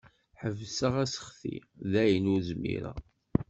Ḥebseɣ aseɣti dayen ur zmireɣ.